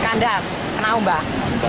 kandas kena ombak